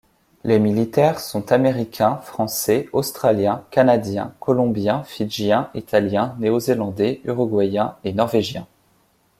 Les militaires sont américains, français, australiens, canadiens, colombiens, fidjiens, italiens, néo-zélandais, uruguayens et norvégiens.